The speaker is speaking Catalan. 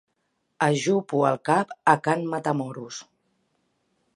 Ajupo el cap a can Matamoros.